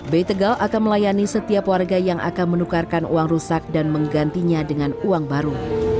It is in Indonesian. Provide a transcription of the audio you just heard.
b tegal akan melayani setiap warga yang akan menukarkan uang rusak dan menggantinya dengan uang baru